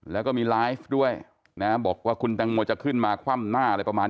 แล้วก็มีไลฟ์ด้วยนะบอกว่าคุณแตงโมจะขึ้นมาคว่ำหน้าอะไรประมาณ